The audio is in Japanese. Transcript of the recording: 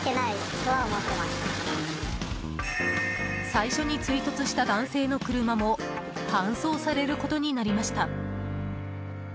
最初に追突した男性の車も搬送されることになりました。